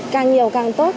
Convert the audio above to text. càng nhiều càng tốt